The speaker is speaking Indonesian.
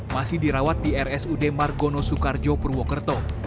masih dirawat di rsud margono soekarjo purwokerto